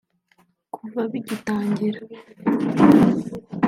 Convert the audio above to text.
Kuva bigitangira